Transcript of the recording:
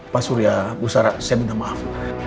pak surya bu sara saya minta maaf